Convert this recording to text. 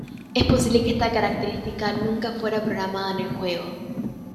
Es posible que esta característica nunca fuera programada en el juego.